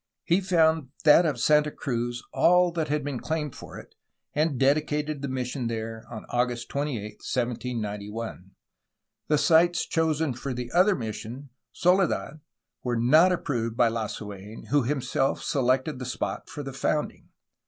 He found that of Santa Cruz all that had been claimed for it, and dedicated the mission there on August 28, 1791. The sites chosen for the other mission, Soledad, were not approved by Lasu^n, who himself selected the spot for the founding.